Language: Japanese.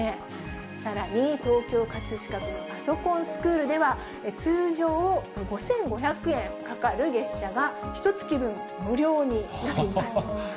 さらに、東京・葛飾区のパソコンスクールでは、通常５５００円かかる月謝がひとつき分、無料になります。